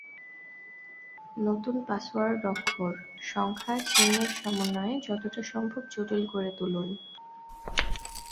নতুন পাসওয়ার্ড অক্ষর, সংখ্যা, চিহ্নের সমন্বয়ে যতটা সম্ভব জটিল করে তুলুন।